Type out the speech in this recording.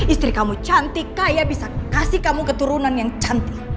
istri kamu cantik kaya bisa kasih kamu keturunan yang cantik